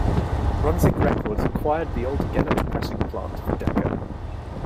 Brunswick Records acquired the old Gennett pressing plant for Decca.